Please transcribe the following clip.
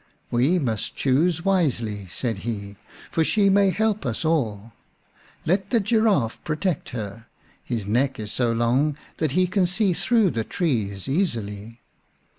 " We must choose wisely," said he, " for she may help us all. Let the Giraffe protect her ; his neck is so long that he can see through the trees easily."